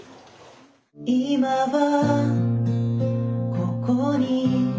「今はここに」